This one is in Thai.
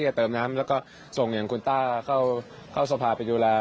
และส่งคุณต้าเขาสภาไปรูรา